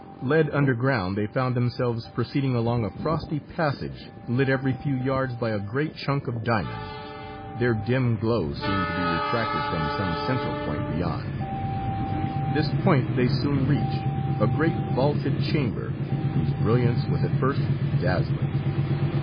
Led underground, they found themselves proceeding along a frosty passage lit every few yards by a great chunk of diamond. Their dim glow seemed to be refracted from some central point beyond. This point they soon reached a great, vaulted chamber whose brilliance was at first dazzling.